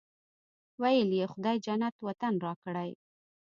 ویل یې خدای جنت وطن راکړی.